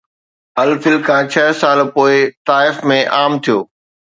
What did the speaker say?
الفل کان ڇهه سال پوءِ طائف ۾ عام ٿيو